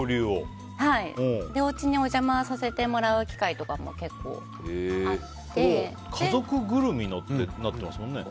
おうちにお邪魔させてもらう機会とかも家族ぐるみのってなってますもんね。